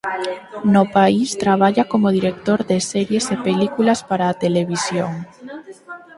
No país traballa como director de series e películas para a televisión.